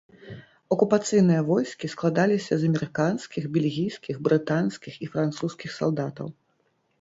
Акупацыйныя войскі складаліся з амерыканскіх, бельгійскіх, брытанскіх і французскіх салдатаў.